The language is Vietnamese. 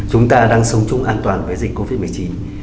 chúng ta đang sống chung an toàn với dịch covid một mươi chín